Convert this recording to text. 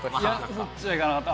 いやそっちにはいかなかった。